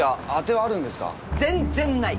全然ない。